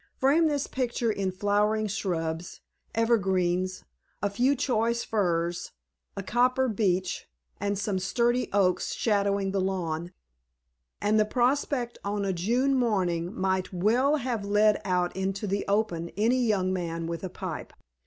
Frame this picture in flowering shrubs, evergreens, a few choice firs, a copper beech, and some sturdy oaks shadowing the lawn, and the prospect on a June morning might well have led out into the open any young man with a pipe.